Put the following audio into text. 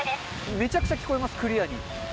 めちゃくちゃ聞こえます、クリアに。